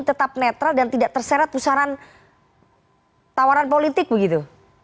tetap netral dan tidak terserat usaran tawaran politik begitu